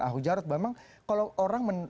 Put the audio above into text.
ahok jarot memang kalau orang